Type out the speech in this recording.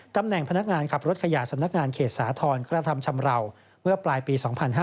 ตำแหน่งพนักงานขับรถขยะสำนักงานเขตสาธรณ์กระทำชำราวเมื่อปลายปี๒๕๕๙